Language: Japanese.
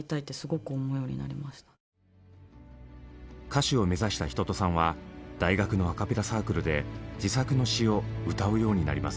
歌手を目指した一青さんは大学のアカペラサークルで自作の詩を歌うようになります。